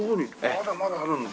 まだまだあるんだ。